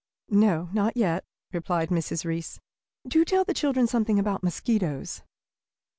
"No, not yet," replied Mrs. Reece. "Do tell the children something about mosquitoes."